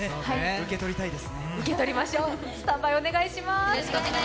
受け取りたいです。